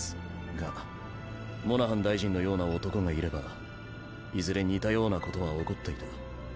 がモナハン大臣のような男がいればいずれ似たようなことは起こっていた。